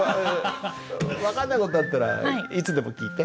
分かんない事あったらいつでも聞いて。